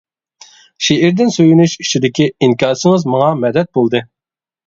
شېئىردىن سۆيۈنۈش ئىچىدىكى ئىنكاسىڭىز ماڭا مەدەت بولدى.